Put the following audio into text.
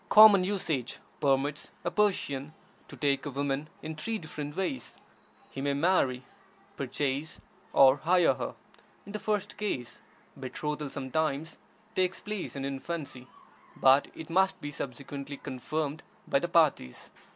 Common usage permits a Persian to take a woman in three different ways: he may marry, purchase, or hire her. In the first case, betrothal sometimes takes place in infancy, but it must be subsequently confirmed by the parties.